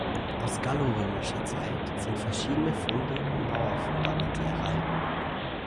Aus gallorömischer Zeit sind verschiedene Funde und Mauerfundamente erhalten.